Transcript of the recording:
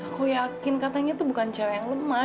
aku yakin katanya tuh bukan cah yang lemah